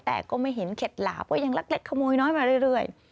แต่ก็ไม่เห็นเข็ดหลาบเพราะยังเล็กขโมยน้อยมาเรื่อย